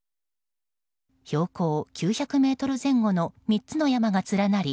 標高９００ｍ前後の３つの山が連なり